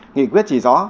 nghị quyết chỉ rõ